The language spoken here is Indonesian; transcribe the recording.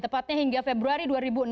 tepatnya hingga februari dua ribu enam belas